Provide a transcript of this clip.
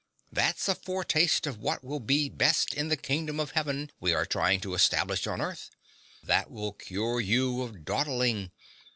That's a foretaste of what will be best in the Kingdom of Heaven we are trying to establish on earth. That will cure you of dawdling.